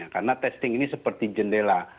karena testing ini seperti jendela